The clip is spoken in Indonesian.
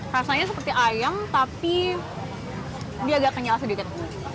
rasanya seperti ayam tapi dia agak kenyal sedikit